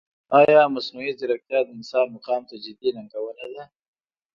ایا مصنوعي ځیرکتیا د انسان مقام ته جدي ننګونه نه ده؟